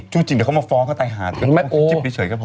ชื่อจริงเดี๋ยวเขามาฟ้องเขาใต้หาเดี๋ยวเขาพูดชื่อจิ๊บเฉยก็พอ